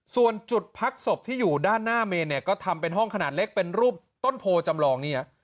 ส่วนจุดพักศพที่อยู่ด้านหน้าเมนเนี่ยก็ทำเป็นห้องขนาดเล็กเป็นรูปต้นโพจำลองเนี่ย